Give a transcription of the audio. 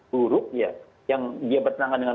buruk ya yang dia bertentangan dengan